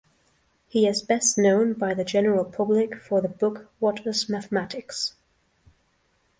He is best known by the general public for the book What is Mathematics?